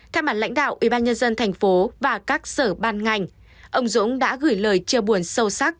theo mặt lãnh đạo ubnd tp và các sở ban ngành ông dũng đã gửi lời chia buồn sâu sắc